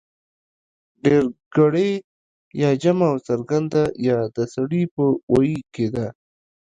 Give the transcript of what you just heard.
ډېرگړې يا جمع او څرگنده يا د سړي په ویي کې ده